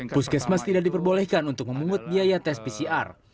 puskesmas tidak diperbolehkan untuk memungut biaya tes pcr